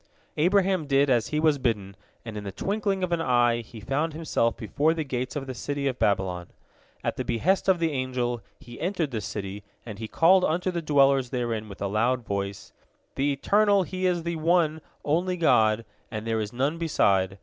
Abraham did as he was bidden, and in the twinkling of an eye he found himself before the gates of the city of Babylon. At the behest of the angel, he entered the city, and he called unto the dwellers therein with a loud voice: "The Eternal, He is the One Only God, and there is none beside.